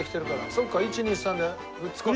そっか１２３で。